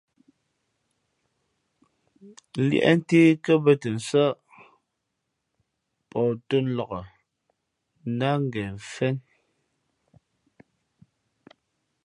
Līēʼ ntě kά bᾱ tα nsά, pαh tō nlak ndáh ngen mfén.